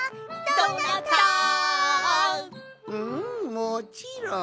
もちろん。